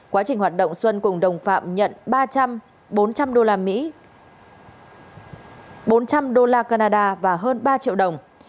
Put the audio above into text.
quá trình hoạt động xuân cùng đồng phạm nhận ba trăm linh bốn trăm linh đô la mỹ bốn trăm linh đô la canada và hơn ba triệu đồng